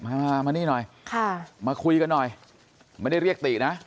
มามานี่หน่อยค่ะมาคุยกันหน่อยไม่ได้เรียกตินะ